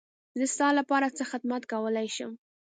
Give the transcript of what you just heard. زه ستا لپاره څه خدمت کولی شم.